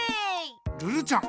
ルルちゃん。